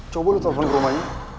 coba lo telfon ke rumahnya